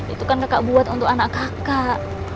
itu kan kakak buat untuk anak kakak